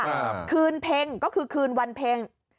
คืนเพ็งก็คือคืนวันเพ็ง